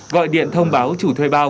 gọi điện thông báo chủ thuê bao